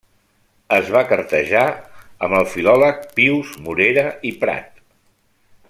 Es va cartejar amb el filòleg Pius Morera i Prat.